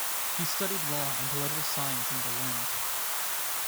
He studied law and political science in Berlin.